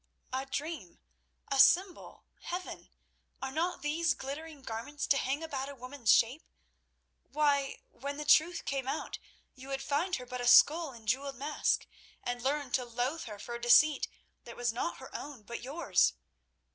"A dream? A symbol? Heaven? Are not these glittering garments to hang about a woman's shape? Why, when the truth came out you would find her but a skull in a jewelled mask, and learn to loathe her for a deceit that was not her own, but yours.